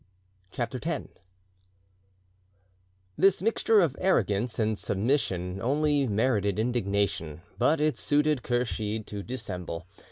CHAPTER X This mixture of arrogance and submission only merited indignation, but it suited Kursheed to dissemble.